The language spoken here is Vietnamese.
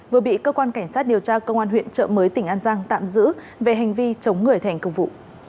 vừa bị cơ quan cảnh sát điều tra công an huyện trợ mới tỉnh an giang tạm giữ về hành vi chống người thành công vụ